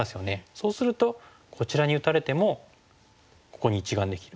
そうするとこちらに打たれてもここに１眼できる。